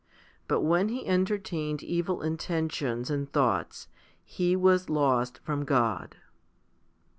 But when he entertained evil intentions and thoughts, he was lost from God.